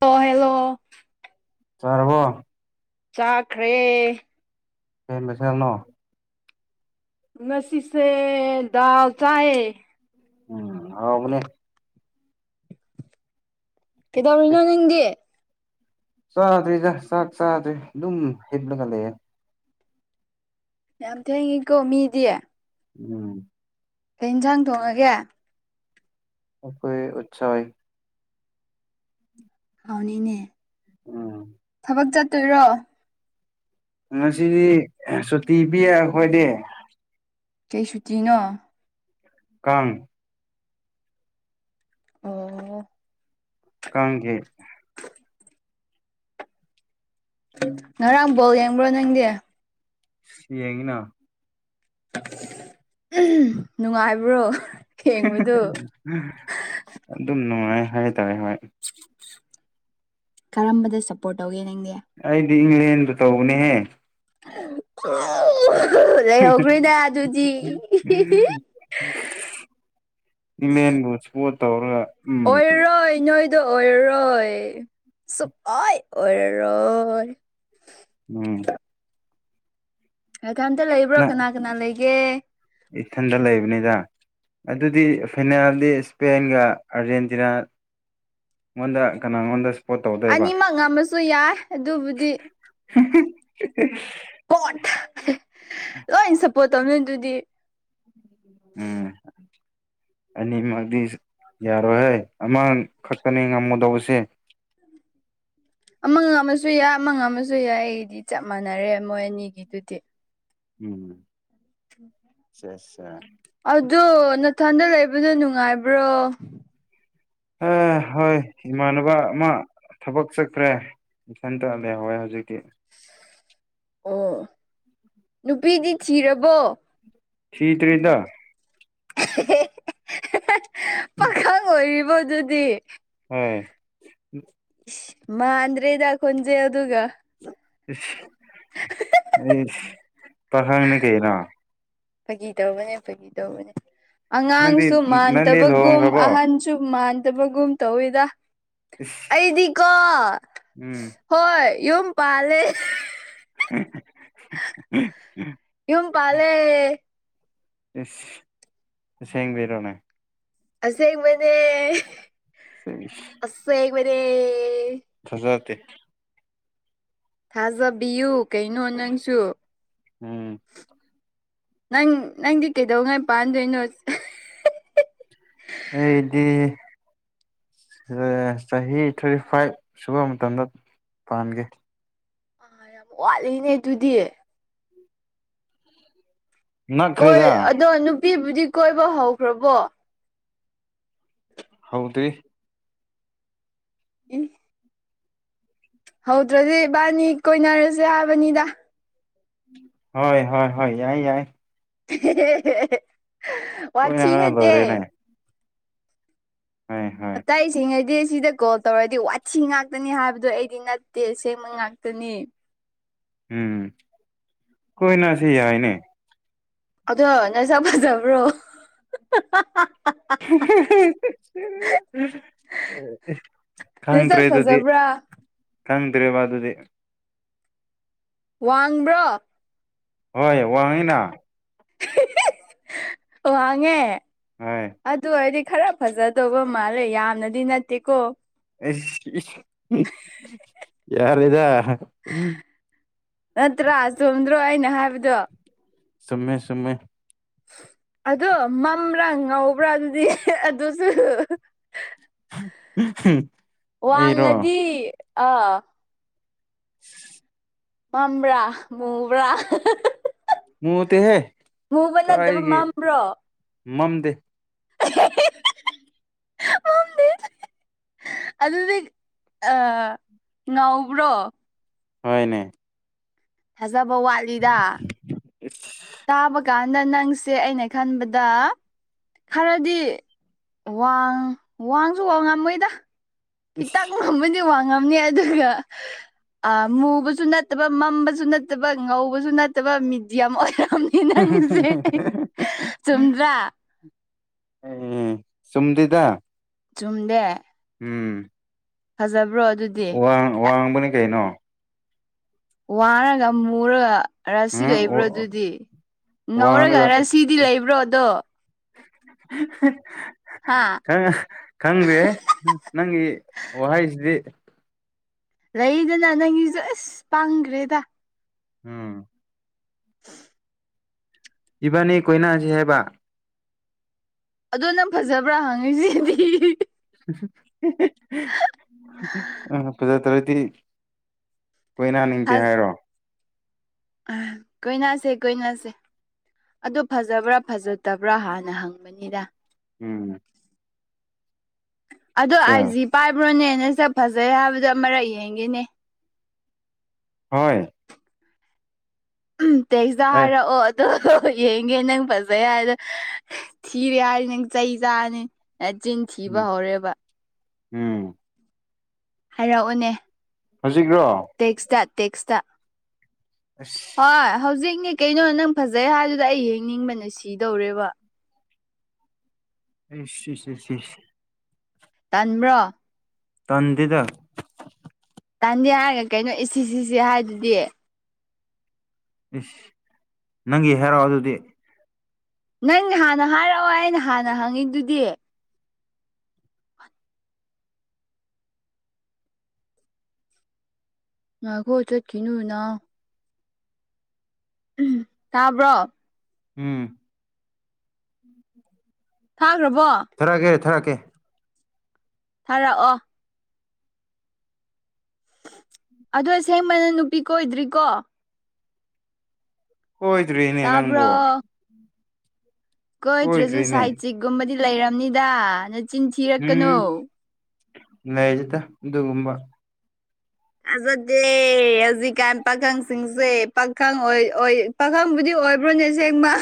ꯑꯣ ꯍꯦꯜꯂꯣ ꯆꯔ ꯆꯥꯈ꯭ꯔꯦ ꯀꯩ ꯃꯊꯦꯜꯅꯣ ꯉꯁꯤꯁꯦ ꯗꯥꯜ ꯆꯥꯏꯌꯦ ꯎꯝ ꯍꯥꯎꯕꯅꯦ ꯀꯩꯗꯧꯔꯤꯅꯣ ꯅꯪꯗꯤ ꯆꯥꯗ꯭ꯔꯤ ꯆꯥꯛ ꯆꯥꯗ꯭ꯔꯤ ꯑꯗꯨꯝ ꯍꯤꯞꯂꯒ ꯂꯩꯌꯦ ꯌꯥꯝ ꯊꯦꯡꯉꯤꯀꯣ ꯃꯤꯗꯤ ꯎꯝ ꯀꯩ ꯌꯦꯟꯁꯥꯡ ꯊꯣꯡꯉꯒꯦ ꯑꯩꯈꯣꯏ ꯎꯆꯥ ꯏ ꯍꯥꯎꯅꯤ ꯅꯦ ꯎꯝ ꯕꯛ ꯆꯠꯇꯣꯏꯔꯣ ꯉꯁꯤꯗꯤ ꯁꯨꯇꯤ ꯄꯤꯌꯦ ꯑꯩꯈꯣꯏꯗꯤ ꯀꯩ ꯁꯨꯇꯤꯅꯣ ꯀꯥꯡ ꯑꯣ ꯀꯥꯡꯒꯤ ꯉꯔꯥꯡ ꯕꯣꯜ ꯌꯦꯡꯕ꯭ꯔꯣ ꯅꯪꯗꯤ ꯌꯦꯡꯉꯤꯅ ꯅꯨꯡꯉꯥꯏꯕ꯭ꯔꯣ ꯌꯦꯡꯕꯗꯨ ꯑꯗꯨꯝ ꯅꯨꯡꯉꯥꯏ ꯍꯥꯏꯇꯥꯔꯦ ꯍꯣꯏ ꯀꯔꯝꯕꯗ ꯁꯞꯄꯣꯔꯠ ꯇꯧꯒꯦ ꯅꯪꯗꯤ ꯑꯩꯗꯤ ꯏꯪꯂꯦꯟꯗ ꯇꯧꯕꯅꯦꯍꯦ ꯂꯩꯍꯧꯈ꯭ꯔꯔꯤꯗ ꯑꯗꯨꯗꯤ [unintelligible] ꯏꯃꯦꯟꯕꯨ ꯁꯄꯣꯔꯠ ꯇꯧꯔꯒ ꯎꯝ ꯑꯣꯏꯔꯔꯣꯏ ꯅꯣꯏꯗ‌ꯣ ꯑꯣꯏꯔꯔꯣꯏ ꯁꯨꯛꯑ‌ꯣꯏ ꯑꯣꯏꯔꯔꯣꯏ ꯎꯝ ꯏꯊꯟꯇ ꯂꯩꯕ꯭ꯔꯣ ꯅꯪ ꯀꯅꯥ ꯀꯅꯥ ꯂꯩꯒꯦ ꯏꯊꯟꯗ ꯂꯩꯕꯅꯤꯗ ꯑꯗꯨꯗꯤ ꯐꯤꯅꯥꯜꯗꯤ ꯏꯁꯄꯦꯟꯒ ꯑꯥꯔꯖꯦꯟꯇꯤꯅꯥ ꯑꯩꯉꯣꯟꯗ ꯀꯅꯥ ꯑꯩꯉꯣꯟꯗ ꯑꯅꯤꯃꯛ ꯉꯝꯃꯁꯨ ꯌꯥꯏ ꯑꯗꯨꯕꯨꯗꯤ [unintelligible] ꯄ [unintelligible] ꯂꯣꯏ ꯁꯞꯄꯣꯔꯠ ꯇꯧꯅꯤ ꯑꯗꯨꯗꯤ ꯎꯝ ꯑꯅꯤꯃꯛꯗꯤ ꯌꯥꯔꯣꯏꯍꯣꯏ ꯑꯃ ꯈꯛꯇꯅꯤ ꯉꯝꯃꯗꯧꯕꯁꯦ ꯑꯃ ꯉꯝꯃ‌ꯁꯨ ꯌꯥꯏ ꯑꯃ ꯉꯝ ꯃꯁꯨ ꯌꯥꯏ ꯑꯩꯗꯤ ꯆꯞ ꯃꯥꯟꯅꯔꯦ ꯃꯣꯏ ꯑꯅꯤꯒꯤꯗꯨꯗꯤ ꯎꯝ ꯆ‌ꯦ ꯆ‌ꯦ ꯑꯗꯨ ꯅꯊꯟꯗ ꯂꯩꯕꯗ ꯅꯨꯡꯉꯥꯏꯕ꯭ꯔꯣ ꯑꯦ ꯍꯣꯏ ꯏꯃꯥꯟꯅꯕ ꯑꯃ ꯊꯕꯛ ꯆꯠꯈ꯭ꯔꯦ ꯏ ꯁꯟꯇ ꯑꯗꯨꯗꯦ [unintelligible] ꯍꯋꯥꯣꯏ ꯍꯧꯖꯤꯛꯀꯤ ꯑꯣ ꯅꯨꯄꯤꯗꯤ ꯊꯤꯔꯕꯣ ꯊꯤꯇ꯭ꯔ‌ꯦꯗ [unintelligible] ꯄꯥꯈꯪ ꯑꯣꯏꯔꯤꯕꯗꯨꯗꯤ ꯑꯝ [unintelligible] ꯃꯥꯟꯗ꯭ꯔ‍ꯦꯊ ꯈ‍ꯣꯟꯖ‍ꯦꯜꯗꯨꯒ [unintelligible] ꯑꯩ ꯄꯥꯈꯪꯅꯤ ꯀꯩꯅ‍ꯣ ꯐꯥꯒꯤ ꯇꯧꯕꯅꯦ ꯐꯥꯒꯤ ꯇꯧꯕꯅꯦ ꯅꯪꯗꯤ ꯑꯉꯥꯡꯁꯨ ꯅꯪꯗꯤ ꯃꯥꯟꯗꯕꯒꯨꯝ ꯂꯨꯍꯣꯡꯈ꯭ꯔꯕꯣ ꯑꯍꯟ ꯆꯨꯝ ꯃꯥꯟꯗꯕꯒꯨꯝ ꯇꯧꯋꯤꯗ ꯏꯁ ꯑꯩꯗꯤꯀꯣ ꯎꯝ ꯍꯣꯏ ꯌꯨꯝ ꯄꯥꯂꯦ [unintelligible] [unintelligible] ꯌꯨꯝ ꯄꯥꯂꯦ ꯏꯁ ꯑꯁ‌ꯦꯡꯕꯩꯔꯣꯅꯦ ꯑꯁ‍ꯦꯡꯕꯅ‌ꯦ ꯁꯤ [inaudible] ꯑꯁ ꯑꯦ ꯃꯔꯦ [inaudible] ꯊꯥꯖꯗ‍ꯦ ꯊꯥꯖꯕꯤꯌꯨ ꯀꯩꯅꯣ ꯅꯪꯁꯨ ꯎꯝ ꯅꯪ ꯅꯪꯗꯤ ꯀꯩꯗꯧꯉꯩ ꯄꯥꯟꯗꯣꯏꯅꯣ ꯑꯩꯗꯤ ꯆꯍꯤ ꯊꯥꯔꯇꯤ ꯐꯥꯏꯚ ꯁꯨꯕ ꯃꯇꯝꯗ ꯄꯥꯟꯒꯦ ꯑꯥ ꯌꯥꯝ ꯋꯥꯠꯂꯤꯅꯦ ꯑꯗꯨꯗꯤ ꯅꯛꯈ꯭ꯔꯦꯗ ꯀꯣꯏ ꯑꯗꯣ ꯅꯨꯄꯤꯕꯨꯗꯤ ꯀꯣꯏꯕ ꯍꯧꯈ꯭ꯔꯕꯣ ꯍꯧꯗꯤ ꯏꯟ ꯍꯧꯗ꯭ꯔꯗꯤ ꯏꯕꯥꯅꯤ ꯀꯣꯏꯅꯔꯁꯨ ꯍꯥꯏꯕꯅꯤꯗ ꯍꯣꯏ ꯍꯣꯏ ꯍꯣꯏ ꯌꯥꯏ ꯌꯥꯏ [unintelligible] ꯋꯥ ꯀꯣꯏꯅꯔ ꯊꯅꯦꯠꯇꯦ ꯂꯣꯏꯔꯦꯅꯦ ꯍ ꯍꯣꯏ [unintelligible] ꯆꯥꯛꯏꯁꯤꯉꯩꯗꯤ ꯁꯤꯗ ꯀꯣꯜ ꯇꯧꯔꯗꯤ ꯋꯥꯠꯊꯤ ꯉꯥꯛꯇꯅꯤ ꯍꯥꯏꯕꯗꯣ ꯑꯩꯗꯤ ꯅꯠꯇꯦꯁꯦꯡꯕ ꯉꯥꯛꯇꯅꯤ ꯎꯝ ꯀꯣꯏꯅ ꯁꯤ ꯌꯥꯏꯅꯦ ꯑꯗꯣ ꯅꯪꯁꯥ ꯐꯖꯕ꯭ꯔꯣ [unintelligible] ꯈꯪ ꯅꯁꯛ ꯇ꯭ꯔꯦꯗꯨꯗꯤ ꯐꯖꯕ꯭ꯔꯥ ꯀꯪ ꯇ꯭ꯔꯦꯕꯗꯨꯗꯤ ꯋꯥꯡꯕ꯭ꯔ ꯍꯣꯏ ꯋꯥꯡꯡꯂꯅ ꯋꯥꯡꯉꯦ ꯍꯣꯏ ꯑꯗꯨ ꯑꯣꯏꯔꯗꯤ ꯈꯔ ꯐꯖꯗꯧꯕ ꯃꯥꯜꯂꯦ ꯌꯥꯝꯅꯗꯤ ꯅꯠꯇꯦꯀꯣ ꯌꯥꯔꯗ ꯅꯠꯇ꯭ꯔꯥ ꯆꯣꯝꯗ꯭ꯔꯣ ꯑꯩꯅ ꯍꯥꯏꯕꯗꯣ ꯁꯃꯦ ꯁꯃꯦ ꯑꯗꯣ ꯃꯝꯕ꯭ꯔꯥ ꯉꯕ꯭ꯔꯥ ꯑꯗꯨꯗꯤ ꯑꯗꯨꯁꯨ ꯎ ꯎꯝ ꯋꯥꯉꯗꯤ ꯑꯥ ꯎ ꯃꯝꯕ꯭ꯔꯥ ꯃꯨꯕ꯭ꯔꯥ ꯃꯨꯇꯦꯍꯦ ꯃꯨꯕ ꯅꯠꯇꯕ ꯀꯥꯏꯒꯦ ꯃꯝꯕ꯭ꯔꯣ ꯃꯝꯗꯦ [unintelligible] ꯃꯝꯗꯦ ꯑꯗꯨꯗꯤ ꯑ ꯉꯥꯎꯕ꯭ꯔꯣ ꯍꯅꯦ ꯊꯥꯖꯕ ꯋꯥꯠꯂꯤꯗ ꯏꯁ ꯇꯥꯕ ꯀꯥꯟꯗ ꯅꯪꯁꯦ ꯑꯩꯅ ꯈꯟꯕꯗ ꯈꯔꯗꯤ ꯋꯥꯡ ꯋꯥꯡꯁꯨ ꯋꯥ ꯉꯝꯃꯣꯏꯗ ꯏꯁ ꯈꯤꯇꯪ ꯉꯃꯗꯤ ꯋꯥꯉꯝꯅꯤ ꯑꯗꯨꯒ ꯃꯨꯕꯁꯨ ꯅꯠꯇꯕ ꯃꯝꯕꯁꯨ ꯅꯠꯇꯕ ꯉꯧꯕꯁꯨ ꯅꯠꯇꯕ ꯃꯤꯦꯗꯤꯌꯝ ꯑꯣꯏꯅꯔ ꯅꯪꯒꯤꯁꯦ ꯆꯨꯝꯗ꯭ꯔꯥ ꯁꯨꯝꯗꯤꯗ ꯆꯨꯝꯗꯦ ꯎꯝ ꯐꯖꯕ꯭ꯔꯣ ꯑꯗꯨꯗꯤ ꯋꯥꯡ ꯋꯥꯡꯕꯅꯤ ꯀꯩꯅꯣ ꯋꯥꯔꯒ ꯃꯨꯔꯒ ꯔꯁꯤ ꯂꯩꯕ꯭ꯔꯣ ꯎꯝ ꯑꯗꯨꯗꯤ ꯉꯧꯔꯒ ꯋꯥꯡꯉꯒ ꯔꯁꯤ ꯁꯤꯗꯤ ꯂꯩꯕ꯭ꯔꯣ ꯑꯗꯣ ꯍꯥ ꯈꯪ ꯈꯪꯕꯤ ꯎꯝ ꯅꯪꯒꯤ ꯋꯥꯍ ꯍꯥꯏꯁꯦ ꯂꯩꯗꯅ ꯅꯪꯒꯤꯁꯨ ꯑꯁ ꯄꯥꯡꯈ꯭ꯔꯦꯗ ꯑꯝ ꯎꯝ ꯏꯕꯥꯅꯤ ꯀꯣꯏꯅꯥꯁꯤ ꯍꯥꯏꯕ ꯑꯗꯣ ꯅꯪ ꯐꯖꯕ꯭ꯔꯥ ꯍꯥꯡꯉꯤꯁꯦꯗꯤ ꯑ ꯄꯨꯖ ꯇꯧꯗꯤ ꯀꯣꯏꯅꯥꯅꯤꯡꯗꯦ ꯍꯥꯏꯔꯣ ꯑ ꯀꯣꯏꯅꯥꯁꯦ ꯀꯣꯏꯅꯥꯁꯦ ꯑꯗꯨ ꯐꯖꯕ꯭ꯔꯥ ꯐꯖꯗꯕ꯭ꯔꯥ ꯍꯥꯟꯅ ꯍꯪꯕꯅꯤꯗ ꯎꯝ ꯑꯗꯣ ꯁꯦ ꯑꯩꯥꯏꯖꯤ ꯄꯥꯏꯕ꯭ꯔꯣꯅꯦ ꯅ ꯁ ꯐꯖꯩ ꯍꯥꯏꯕꯗꯣ ꯑꯃꯛ ꯌꯦꯡꯒꯦꯅꯦ ꯍꯣꯏ ꯎꯝ ꯇꯦꯛꯇ ꯑꯦ ꯍꯥꯏꯔꯛꯑꯣ ꯑꯗꯣ ꯌꯦꯡꯒꯦ ꯅꯪ ꯐꯖꯩ ꯍꯥꯏꯔ ꯑꯗꯣ ꯊꯤꯔꯦ ꯍꯥꯏꯅꯤ ꯅꯪ ꯆꯩ ꯆꯥꯅꯤ ꯑꯦ ꯆꯤꯡ ꯊꯤꯕ ꯎꯝ ꯍꯧꯔꯦꯕ ꯎꯝ ꯍꯥꯏꯔꯛꯑꯣꯅꯦ ꯍꯧꯖꯤꯛ꯭ꯔꯣ ꯇꯦꯛꯁꯇ ꯇꯦꯛꯁꯇ ꯑꯁ ꯍꯣꯏ ꯍꯧꯖꯤꯛꯅꯦ ꯀꯩꯅꯣ ꯅꯪ ꯐꯖꯩ ꯍꯥꯏꯗꯨꯗ ꯑꯩ ꯍꯡꯅꯤꯡꯕꯅ ꯁꯤꯗꯧꯔꯦꯕ ꯑꯁ ꯇꯟꯕ꯭ꯔꯣ ꯇꯥꯟꯗꯗ ꯇꯥꯟꯗꯦ ꯍꯥꯏꯔꯒ ꯀꯩꯅꯣ ꯏꯁꯤ ꯁꯤꯁꯤ ꯍꯥꯏꯗꯨꯗꯤ ꯏꯁ ꯅꯪꯒꯤ ꯍꯥꯏꯔꯥꯎ ꯑꯗꯨꯗꯤ ꯅꯪꯅꯦ ꯍꯥꯟꯅ ꯍꯥꯏꯔꯛꯑꯣ ꯑꯩꯅ ꯍꯥꯟꯅ ꯍꯪꯉꯤꯗꯨꯗꯤ ꯑꯈꯣ ꯆꯠꯈꯤꯅꯅ ꯇꯥꯕ꯭ꯔꯣ ꯎꯝ ꯊꯥꯈ꯭ꯔꯕꯣ ꯊꯔꯛꯑꯀꯦ ꯊꯔꯛꯀꯦ ꯊꯥꯔꯛꯑꯣ ꯑꯁꯦꯡꯕꯅ ꯅꯨꯄꯤ ꯀꫭꯏꯗ꯭ꯔꯤꯀꯣ ꯀꯣꯏꯗ꯭꯭ꯔꯤꯅꯦ ꯇꯥꯕ꯭ꯔꯣ ꯅꯪꯕꫭ ꯀꯣꯏ ꯇ꯭ꯔꯁꯨ ꯀꯣꯏꯗ꯭ꯔꯤꯅꯦ ꯁꯥꯏꯠ ꯆꯤꯛꯒꯨꯝꯕꯗꯤ ꯂꯩꯔꯕꯝꯅꯤꯗ ꯅꯆꯤꯟ ꯊꯤꯔꯛꯀꯅꯨ ꯂꯩꯩꯖꯗ ꯑꯗꯨꯒꯨꯝꯕ ꯊꯥꯖꯗ‌ꯦ ꯍꯧꯖꯤꯛꯀꯥꯟ ꯄꯥꯈꯪꯁꯤꯡꯁꯦ ꯄꯥꯈꯪ ꯑꯣꯏ ꯄꯥꯈꯪꯕꯨꯗꯤ ꯑꯣꯏꯕ꯭ꯔꯣꯅꯦ ꯁꯦꯡꯃ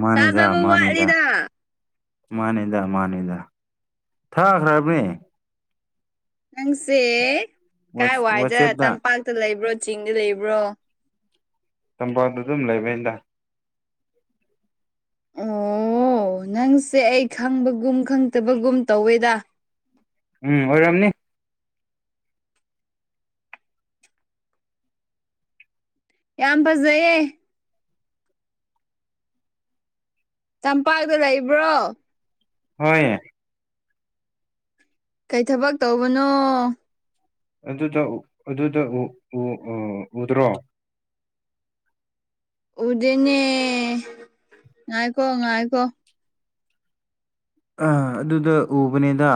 ꯃꯥꯅꯤꯗ ꯊꯥꯖꯕ ꯃꯥꯅꯤꯗ ꯋꯥꯠꯂꯤꯗ ꯃꯥꯅꯤꯗ ꯃꯥꯅꯤꯗ ꯊꯥꯈ꯭ꯔꯕꯅꯦ ꯅꯪꯁꯦ ꯋꯥꯠꯁ ꯀꯥꯏꯋꯥꯏꯗ ꯋꯥꯆꯦꯞꯇ ꯇꯝꯄꯥꯛꯇ ꯂꯩꯕ꯭ꯔꯣ ꯆꯤꯡꯗ ꯂꯩꯕ꯭ꯔꯣ ꯇꯝꯄꯥꯛꯗ ꯑꯗꯨꯝ ꯂꯩꯕꯩꯗ ꯑꯣ ꯅꯪꯁꯦ ꯑꯩ ꯈꯪꯕꯒꯨꯝ ꯈꯪꯗꯕꯒꯨꯝ ꯇꯧꯋꯦꯗ ꯎꯝ ꯑꯣꯏꯔꯝꯅꯤ ꯌꯥꯝ ꯐꯖꯩꯌꯦ ꯆꯝꯄꯥꯛꯇ ꯂꯩꯕ꯭ꯔꯣ ꯍꯣꯏ ꯌꯥ ꯀꯩ ꯊꯕꯛ ꯇꯧꯕꯅꯣ ꯑꯗꯨꯗ ꯑꯗꯨꯗ ꯎ ꯎꯗ꯭ꯔꯣ ꯎꯗꯅꯦ ꯉꯥꯏꯀꯣ ꯉꯥꯏꯀꯣ ꯑ ꯑꯗꯨꯗ ꯎꯕꯅꯦꯗ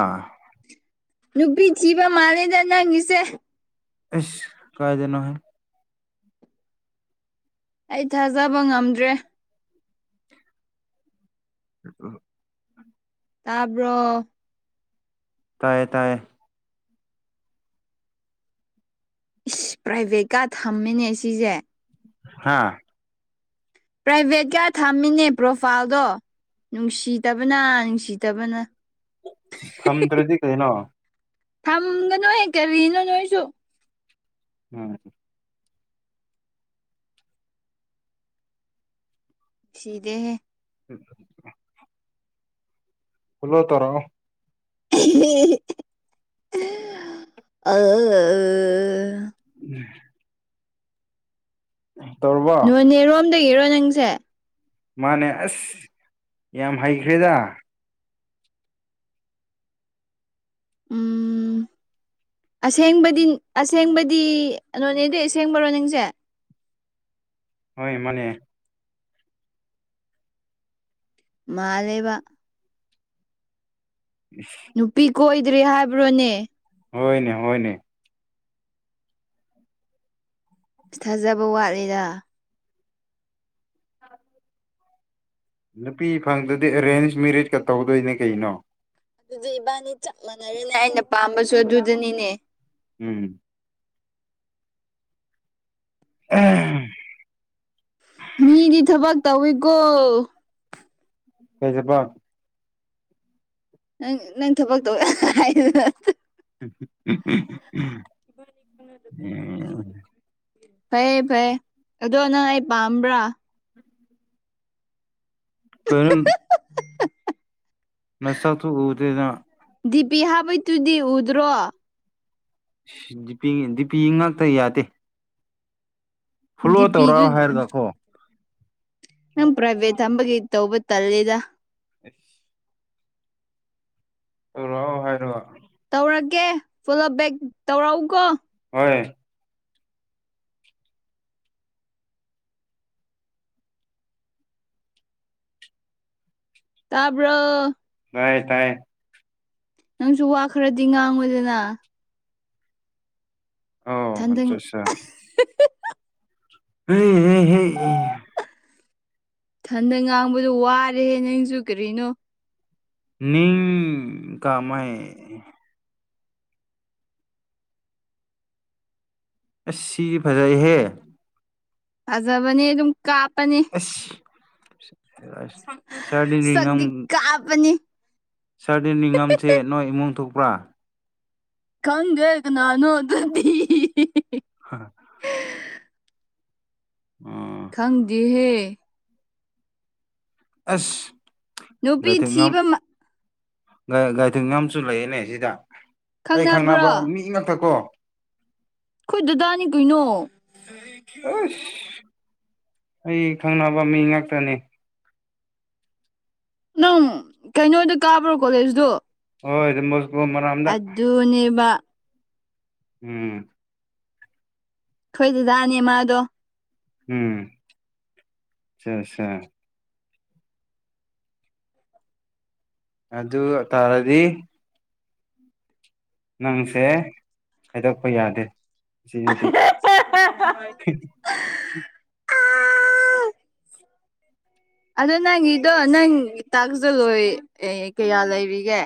ꯗꯨꯕꯤ ꯖꯤꯕ ꯃꯥꯗ ꯅꯪꯤꯁꯦ ꯑꯦꯁ ꯀꯥꯏꯗꯅꯣꯍꯦ ꯑꯩ ꯊꯥꯖꯕ ꯉꯝꯗ꯭ꯔꯦ ꯑ ꯇꯥꯕ꯭ꯔꯣ ꯇꯌꯦ ꯇꯥꯏꯌꯦ ꯏꯁ ꯄ꯭ꯔꯥꯏꯚꯦꯠꯀ ꯊꯝꯃꯤꯅꯦ ꯁꯤꯁꯦ ꯍꯥꯥ ꯄ꯭ꯔꯥꯏꯚꯦꯠꯀ ꯊꯝꯃꯤꯅꯦ ꯄ꯭ꯔꯣꯐꯥꯏꯜꯗꯣ ꯅꯨꯡꯁꯤꯗꯕꯅ ꯅꯨꯡꯁꯤꯗꯕꯅ ꯊꯝꯗ꯭ꯔꯗꯤ ꯀꯩꯅꯣ ꯊꯝꯒꯅꯣꯏ ꯍꯦꯛ ꯀꯔꯤꯅꯣ ꯅꯣꯏꯁꯨ ꯎꯝ ꯁꯤꯗ‌ꯦ ꯍꯦ ꯎ ꯐꯂꫭ ꯇꯩꯔꯛꯑꫭ ꯑꯥ ꯎ ꯎꯝ ꯇꯧꯕ ꯅꯣꯅꯦꯔꯣꯝꯗꯒꯤꯔꯣ ꯅꯪꯁꯦ ꯃꯥꯅꯦ ꯑꯁ ꯌꯥꯝ ꯍꯩꯈ꯭ꯔꯦꯗ ꯎꯝ ꯑꯁꯦꯡꯕꯗꯤ ꯑꯁꯦꯡꯕꯗꯤ ꯅꯣꯅꯦꯗꯩ ꯑꯁꯦꯡꯕꯔꯣ ꯅꯁꯦ ꯍꯣꯏꯅꯦ ꯃꯥꯅ‌ꯦ ꯃꯥ ꯂꯩꯕ ꯏꯁ ꯅꯨꯄꯤ ꯀꯣꯏꯗ꯭ꯔꯦ ꯍꯥꯏꯕ꯭ꯔꯣꯅꯦ ꯍꯣꯏꯅꯦ ꯍꯣꯏꯅꯦ ꯑ ꯊꯥꯖꯕ ꯋꯥꯠꯂꯤꯗ ꯅꯨꯄꯤ ꯐꯪꯗꯗꯤ ꯑꯦꯔꯦꯟꯖ ꯃꯦꯔꯤꯖꯀ ꯇꯧꯗꯣꯏꯅꯦ ꯀꯩꯅꯣ ꯑꯗꯨꯗꯤ ꯏꯕꯥꯅꯤ ꯆꯞ ꯃꯅꯥꯔ°ꯅ° ꯑꯩꯅ ꯄꯥꯝꯕꯁꯨ ꯑꯗꯨꯗꯅꯤ ꯎꯝꯝ ꯑꯥꯑꯑ ꯃꯤꯗꯤ ꯊꯕꯛ ꯇꯧꯋꯤꯀꯣ ꯀꯩ ꯊꯕꯛ ꯅꯪ ꯅꯪ ꯊꯕꯛꯇꯧꯏ ꯍꯥꯏꯕꯗꯨꯗ ꯎꯝ ꯎꯝꯝꯝ [unintelligible] ꯐꯩꯌꯦ ꯐꯩꯌꯦ ꯑꯗꯣ ꯅꯪ ꯑꯩ ꯄꯥꯝꯕ꯭ꯔꯥ ꯀꯩꯅꫭ [unintelligible] ꯅꯁꯥ ꯊꯨ ꯎꯗ‌ꯦꯅ ꯗꯤꯄꯤ ꯍꯥꯕꯤꯗꯨꯨꯗꯤ ꯎꯗ꯭ꯔꯣ ꯗꯤ ꯗꯤꯄꯤ ꯉꯥꯛꯇ ꯌꯥꯗꯦ ꯐꯣꯂꯣ ꯗꯤꯄꯤꯗꯨ ꯇꯧꯔꯑꯣ ꯍꯥꯏꯔꯒ ꯀꯣ ꯅꯪ ꯄ꯭ꯔꯥꯏꯕꯦꯠ ꯊꯝꯕꯒꯤ ꯇꯧꯕꯇꯜꯂꯦꯗ ꯑꯦꯁ ꯇꯔꯥꯎ ꯍꯥꯏꯔꯣ ꯇꯧꯔꯒꯦ ꯐꯣꯂꯣ ꯕꯦꯛ ꯇꯧꯔꯛꯎꯀꯣ ꯍꯣꯏ ꯇꯥꯕꯔꫭ ꯇꯥꯏ ꯇꯥꯏ ꯅꯪꯁꯨ ꯋꯥ ꯈꯔꯗꯤ ꯉꯥꯡꯉꯣꯗꯅ ꯑꯣꯑ ꯊꯟꯗ ꯑꯠꯆꯥ ꯑꯠꯆꯥ ꯎ [unintelligible] ꯊꯟꯗꯥ ꯉꯥꯡꯕꯗꯥ ꯋꯥꯔꯦꯍꯦ ꯅꯪꯁꯨ ꯀꯔꯤꯅꯣ ꯅꯤꯡ ꯀꯥꯃꯩ ꯑꯥꯁ ꯁꯤꯗꯤ ꯐꯖꯩꯍꯦ ꯐꯖꯕꯅꯤ ꯑꯗꯨꯝ ꯀꯥꯞꯄꯅꯤ ꯁꯔꯗꯤꯔꯤꯉꯝ [unintelligible] ꯇꯥꯞꯄꯅꯤ ꯁꯥꯔ ꯅꯤꯡꯅꯤꯉꯝꯁꯦ ꯅꯣꯏꯒꯤ ꯏꯃꯨꯡ ꯊꯣꯛꯄ꯭ꯔꯥ ꯈꯪꯗꯦ ꯀꯅꯥꯅꫭ ꯑꯗꯨꯗꯤ ꯍꯥ ꯑꯣ ꯈꯪꯗꯦ ꯍ ꯑꯁ ꯅꯨꯄꯤ ꯂꯩꯏꯊꯦꯡ ꯉꯝ ꯊꯤꯕ ꯃ ꯒꯥꯥꯏꯊꯤꯉꯝ ꯁꯨ ꯂꯩꯌꯦꯅꯦ ꯁꯤꯗ ꯑꯩ ꯈꯪꯅꯕ꯭ꯔꯣ ꯈꯪꯅꯕ ꯃꯤ ꯉꯥꯛꯛꯇ ꯀꯣ ꯑꯩꯈꯣꯏ ꯗꯥꯗꯥꯅꯤ ꯀꯩꯅꯣ ꯑꯥꯁ ꯑꯩ ꯈꯪꯅꯕ ꯃꯤ ꯉꯥꯛꯇꯅꯤ ꯅꯪ ꯀꯩꯅꯣꯗꯥ ꯀꯥꯕ꯭ꯔꯥ ꯀꯣꯂꯦꯖꯇꯣ ꯍꯣꯏ ꯗꯣꯝꯕꯣꯁꯀꯣ ꯃꯔꯥꯝꯗ ꯑꯗꯨꯅꯦꯕꯥ ꯎꯝꯝ ꯑꯩꯈꫭꯏꯒꯤ ꯗꯥꯗꯥꯅꯦ ꯃꯥꯗꯣ ꯎꯝ ꯑꯆꯥ ꯑꯆꯥ ꯑꯗꯨꯒꯥ ꯇꯔꯗꯤ ꯅꯪꯁꯦ ꯍꯥꯏꯗꯣꯛꯄꯥ ꯌꯥꯗꯦ ꯁꯤꯗꯗꯤ ꯑꯗꯣ ꯅꯪꯒꯤꯗꯣ ꯅꯪ ꯇꯥꯛꯁꯇꫭ ꯂꯣꯏ ꯀꯌꯥ ꯂꯩꯔꯤꯒꯦ